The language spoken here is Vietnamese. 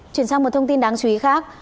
chuyển sang một thông tin đáng chú ý khác